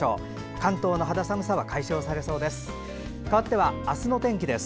関東の肌寒さは解消されそうです。